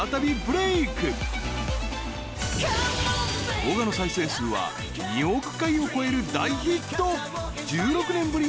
［動画の再生数は２億回を超える大ヒット］